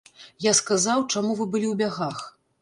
Я сказаў, чаму вы былі ў бягах.